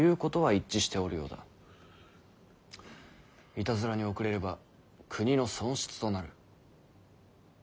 いたずらに遅れれば国の損失となる。